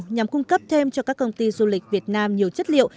nhằm cung cấp thêm cho các công ty du lịch việt nam nhiều chất liệu